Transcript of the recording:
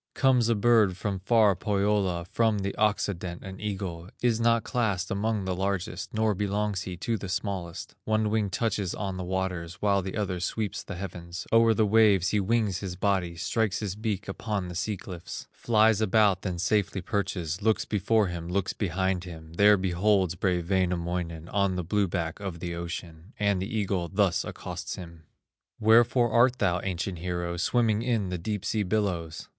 Comes a bird from far Pohyola, From the occident, an eagle, Is not classed among the largest, Nor belongs he to the smallest; One wing touches on the waters, While the other sweeps the heavens; O'er the waves he wings his body, Strikes his beak upon the sea cliffs, Flies about, then safely perches, Looks before him, looks behind him, There beholds brave Wainamoinen, On the blue back of the ocean, And the eagle thus accosts him: "Wherefore art thou, ancient hero, Swimming in the deep sea billows?"